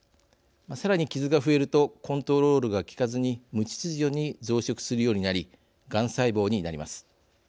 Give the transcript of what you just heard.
さらに傷が増えるとコントロールが利かずに無秩序に増殖するようになりがん細胞になります。